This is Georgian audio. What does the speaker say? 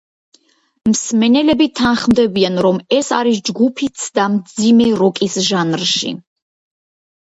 მსმენელები თანხმდებიან, რომ ეს არის ჯგუფის ცდა მძიმე როკის ჟანრში.